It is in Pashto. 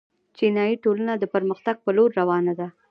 چینايي ټولنه د پرمختګ په لور روانه ده.